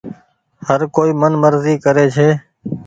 هر ڪوئي من مزي ڪري ڇي۔